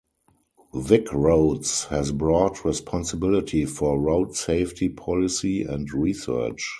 VicRoads has broad responsibility for road safety policy and research.